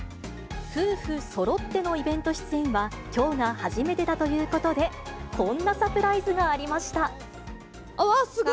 夫婦そろってのイベント出演はきょうが初めてだということで、うわっ、すごい。